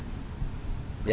ya gitu aja